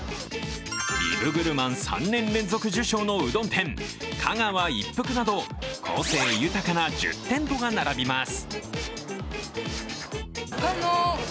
ビブグルマン３年連続受賞のうどん店、香川一福など個性豊かな１０店舗が並びます。